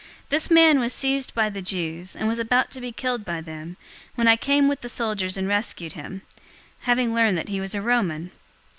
023:027 "This man was seized by the Jews, and was about to be killed by them, when I came with the soldiers and rescued him, having learned that he was a Roman.